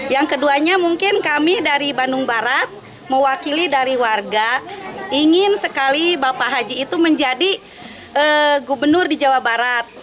yang keduanya mungkin kami dari bandung barat mewakili dari warga ingin sekali bapak haji itu menjadi gubernur di jawa barat